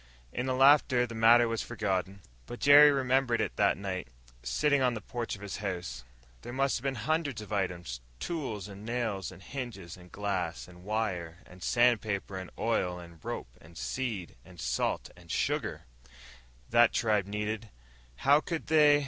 In the laughter, the matter was forgotten. But Jerry remembered it that night, sitting on the porch of his house. There must be hundreds of items tools and nails and hinges and glass and wire and sandpaper and oil and rope and seed and salt and sugar that the tribe needed. How could they